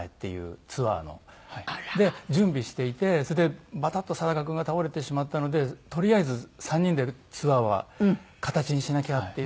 あら。で準備していてそれでバタッと佐賀君が倒れてしまったのでとりあえず３人でツアーは形にしなきゃっていって準備して。